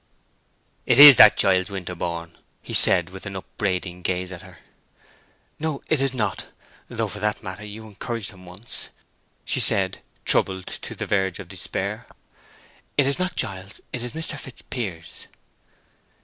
"It is that Giles Winterborne!" he said, with an upbraiding gaze at her. "No, it is not; though for that matter you encouraged him once," she said, troubled to the verge of despair. "It is not Giles, it is Mr. Fitzpiers."